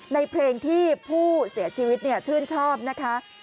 ในเพลงที่ผู้เสียชีวิตชื่นชอบนะคะ